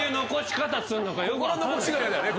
ここの残しが嫌だよね。